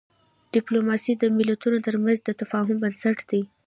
ډیپلوماسي د ملتونو ترمنځ د تفاهم بنسټ دی.